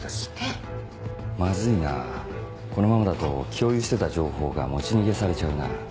えっ⁉マズいなこのままだと共有してた情報が持ち逃げされちゃうな。